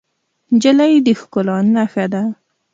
نجلۍ د ښکلا نښه ده.